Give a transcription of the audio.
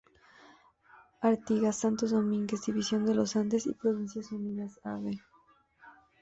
Artigas, Santos Domínguez, División de los Andes, Provincias Unidas, Av.